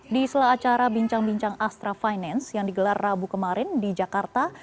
di sela acara bincang bincang astra finance yang digelar rabu kemarin di jakarta